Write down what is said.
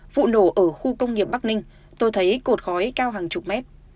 vụ nổ ở khu công nghiệp bắc ninh tôi thấy cột khói cao hàng chục mét